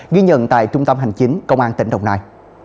ghi nhận tại trung tâm hành chính công an tỉnh đồng nai